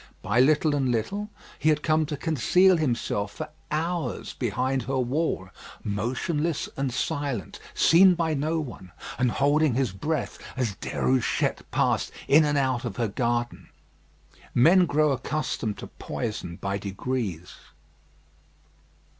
By little and little, he had come to conceal himself for hours behind her wall, motionless and silent, seen by no one, and holding his breath as Déruchette passed in and out of her garden. Men grow accustomed to poison by degrees.